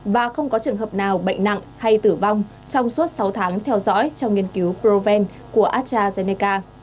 và không có trường hợp nào bệnh nặng hay tử vong trong suốt sáu tháng theo dõi trong nghiên cứu kroven của astrazeneca